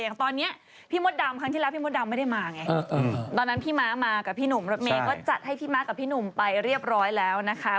อย่างตอนนี้พี่มดดำครั้งที่แล้วพี่มดดำไม่ได้มาไงตอนนั้นพี่ม้ามากับพี่หนุ่มรถเมย์ก็จัดให้พี่ม้ากับพี่หนุ่มไปเรียบร้อยแล้วนะคะ